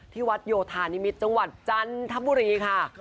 ที่วัดโยธานิมิตรจังหวัดจันทบุรีค่ะ